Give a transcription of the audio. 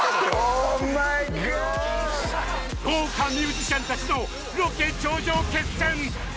豪華ミュージシャン達のロケ頂上決戦開幕！